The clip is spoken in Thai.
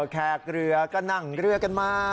แขกเรือก็นั่งเรือกันมา